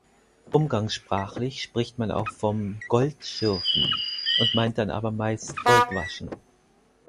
Umgangssprachlich spricht man auch vom „Gold schürfen“ und meint dann aber meist Goldwaschen.